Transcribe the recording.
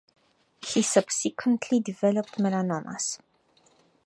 He subsequently developed melanomas.